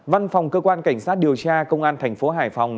văn phòng cơ quan cảnh sát điều tra công an thành phố hải phòng